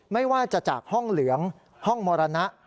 ไม่ว่าจะจากห้องเหลืองห้องมรณะ